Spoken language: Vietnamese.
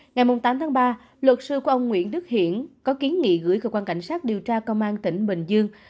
ngày tám tháng ba luật sư của ông nguyễn đức hiển có kiến nghị gửi cơ quan cảnh sát điều tra công an tỉnh bình dương